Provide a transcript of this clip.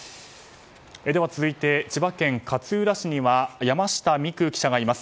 では続いて千葉県勝浦市には山下未来記者がいます。